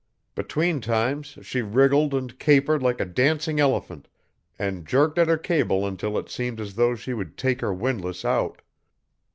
Between times she wriggled and capered like a dancing elephant and jerked at her cable until it seemed as though she would take her windlass out.